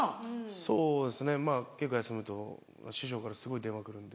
そうですね稽古休むと師匠からすごい電話来るんで。